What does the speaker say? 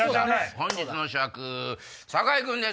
本日の主役酒井君です。